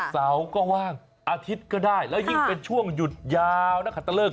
เสาร์ก็ว่างอาทิตย์ก็ได้แล้วยิ่งเป็นช่วงหยุดยาวนักขัดตะเลิก